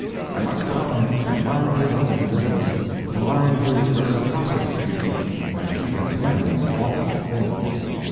I must tell him to mind his own business—to mind his reciprocity treaty, and keep his hands off the things.